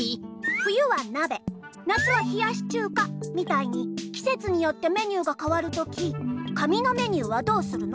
冬はなべ夏はひやしちゅうかみたいにきせつによってメニューがかわるとき紙のメニューはどうするの？